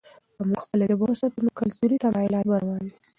که موږ خپله ژبه وساتو، نو کلتوري تمایلات به روان وي.